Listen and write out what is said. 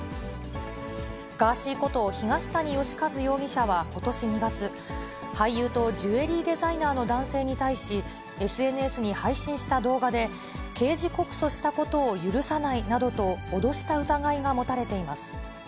ガーシーこと、東谷義和容疑者はことし２月、俳優とジュエリーデザイナーの男性に対し、ＳＮＳに配信した動画で、刑事告訴したことを許さないなどと脅した疑いが持たれています。